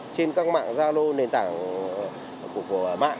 trên các mạng gia lô nền tảng của mạng